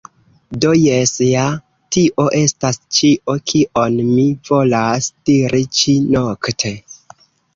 Do, jes ja, tio estas ĉio, kion mi volas diri ĉi-nokte